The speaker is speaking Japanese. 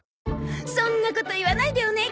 そんなこと言わないでお願い！